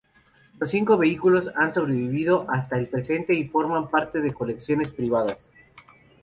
Los cinco vehículos han sobrevivido hasta el presente y forman parte de colecciones privadas.